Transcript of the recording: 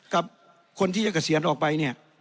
กับคนที่จะเกษียณออกไป